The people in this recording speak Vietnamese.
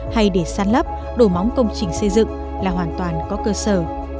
hay để săn lấp đổ móng công trình xây dựng là hoàn toàn có cơ sở